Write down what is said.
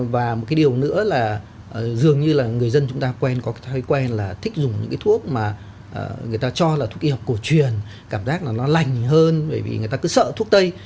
và một cái điều nữa là dường như là người dân chúng ta quen có thói quen là thích dùng những cái thuốc mà người ta cho là thuốc y học cổ truyền cảm giác là nó lành hơn bởi vì người ta cứ sợ thuốc tây